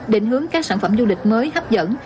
định hướng các sản phẩm du lịch mới hấp dẫn